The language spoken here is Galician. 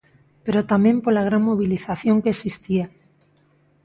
Pero tamén pola gran mobilización que existía.